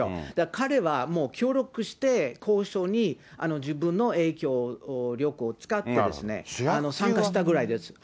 彼はもう協力して交渉に、自分の影響力を使ってですね、参加したぐらいです。